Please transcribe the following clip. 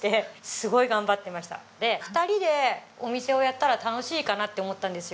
２人でお店をやったら楽しいかなって思ったんですよ。